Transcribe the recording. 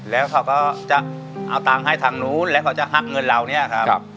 แล้วเขาก็จะเอาตังค์ให้ทางนู้นแล้วเขาจะหักเงินเราเนี่ยครับ